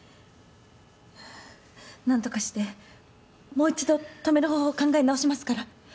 何とかしてもう一度止める方法考え直しますから。